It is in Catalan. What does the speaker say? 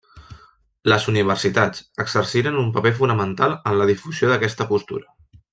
Les universitats exercirien un paper fonamental en la difusió d'aquesta postura.